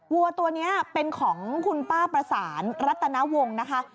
วัวตัวนี้เป็นของคุณป้าประสานรัตนวงนะคะ